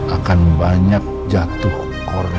akan banyak jatuh korban